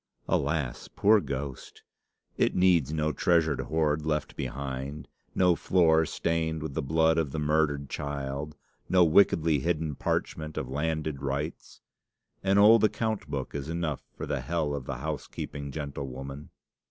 'Alas, poor ghost!' It needs no treasured hoard left behind, no floor stained with the blood of the murdered child, no wickedly hidden parchment of landed rights! An old account book is enough for the hell of the housekeeping gentlewoman!